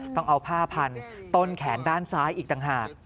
ต้องเอาผ้าพันต้นแขนด้านซ้ายอีกต่างหาก